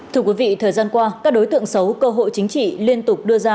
thưa quý vị thời gian qua các đối tượng xấu cơ hội chính trị liên tục đưa ra